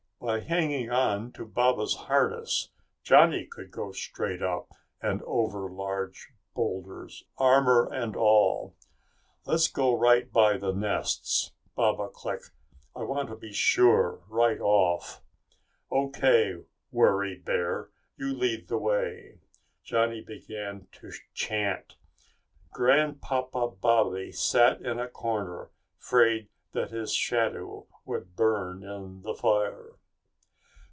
By hanging on to Baba's harness, Johnny could go straight up and over large boulders, armor and all. "Let's go right by the nests," Baba clicked. "I want to be sure, right off." "O. K., worry bear, you lead the way." Johnny began to chant, "Grandpapa Baba sat in a corner, 'fraid that his shadow would burn in the fire."